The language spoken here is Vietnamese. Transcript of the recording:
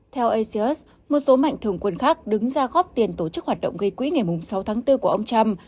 theo asios một số mạnh thường quân khác đứng ra góp tiền tổ chức hoạt động gây quỹ ngày sáu tháng bốn của ông trump